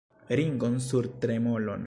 Ringon sur tremolon!